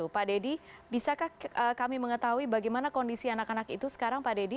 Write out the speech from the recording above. pak deddy bisakah kami mengetahui bagaimana kondisi anak anak itu sekarang pak deddy